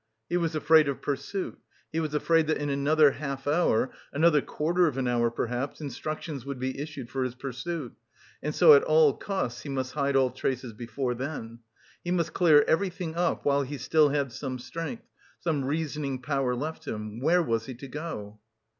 He was afraid of pursuit, he was afraid that in another half hour, another quarter of an hour perhaps, instructions would be issued for his pursuit, and so at all costs, he must hide all traces before then. He must clear everything up while he still had some strength, some reasoning power left him.... Where was he to go?